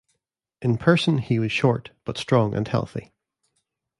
In person, he was short, but strong and healthy.